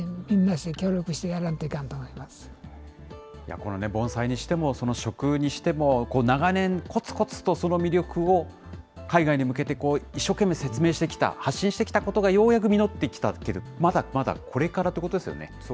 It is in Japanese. この盆栽にしても、その食にしても、長年、こつこつとその魅力を海外に向けて一生懸命説明してきた、発信してきたことが、ようやく実ってきたけど、まだまだこれからってことですよね。